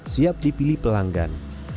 siap dipilih pelanggan